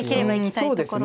そうですね。